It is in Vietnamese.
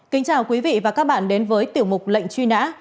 kính chào quý vị và các bạn đến với tiểu mục lệnh truy nã